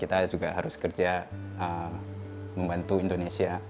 kita juga harus kerja membantu indonesia